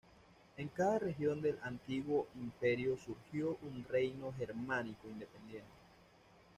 En cada región del antiguo Imperio surgió un reino germánico independiente.